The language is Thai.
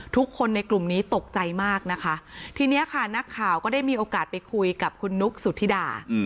ทุกคนในกลุ่มนี้ตกใจมากนะคะทีนี้ค่ะนักข่าวก็ได้มีโอกาสไปคุยกับคุณนุ๊กสุธิดา